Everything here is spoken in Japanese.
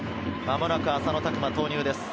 間もなく浅野拓磨、投入です。